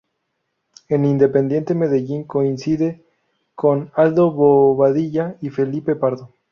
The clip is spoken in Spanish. En Independiente Medellín coincide con Aldo Bobadilla y Felipe Pardo.